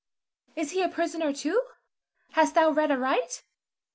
Is he a prisoner too? Hast thou read aright?